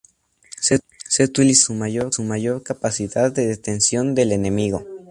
Se utilizaba por su mayor capacidad de detención del enemigo.